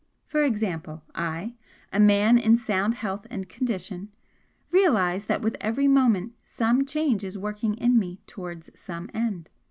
For example I a man in sound health and condition realise that with every moment SOME change is working in me towards SOME end.